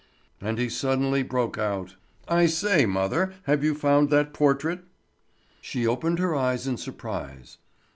And he suddenly broke out: "I say, mother, have you found that portrait?" She opened her eyes in surprise.